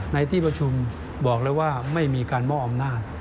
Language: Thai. ในที่ประชุมบอกเลยว่าไม่มีการมอบอำนาจ